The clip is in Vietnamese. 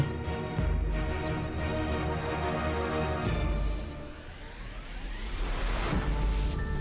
một improving dream tám